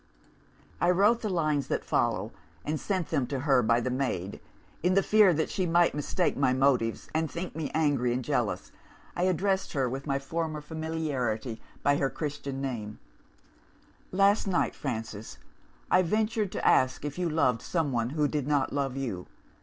"I wrote the lines that follow, and sent them to her by the maid. In the fear that she might mistake my motives, and think me angry and jealous, I addressed her with my former familiarity by her christian name: "'Last night, Frances, I ventured to ask if you loved some one who did not love you.